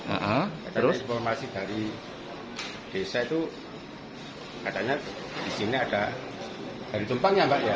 ada informasi dari desa itu katanya disini ada dari tumpang ya mbak ya